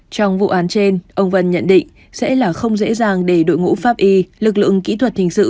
trong vụ án trên ông vân nhận định sẽ là không dễ dàng để đội ngũ pháp y lực lượng kỹ thuật hình sự